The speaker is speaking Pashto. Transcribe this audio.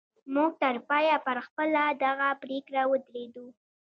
موږ تر پایه پر خپله دغه پرېکړه ودرېدو